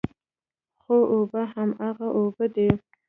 خو اوبه هماغه اوبه دي.